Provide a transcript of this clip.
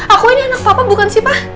aku ini anak bapak bukan sih pa